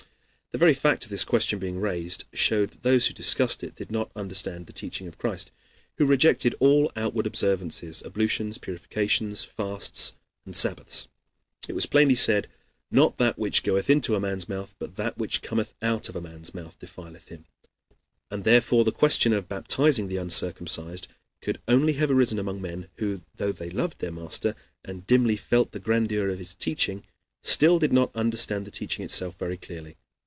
The very fact of this question being raised showed that those who discussed it did not understand the teaching of Christ, who rejected all outward observances ablutions, purifications, fasts, and sabbaths. It was plainly said, "Not that which goeth into a man's mouth, but that which cometh out of a man's mouth, defileth him," and therefore the question of baptizing the uncircumcised could only have arisen among men who, though they loved their Master and dimly felt the grandeur of his teaching, still did not understand the teaching itself very clearly.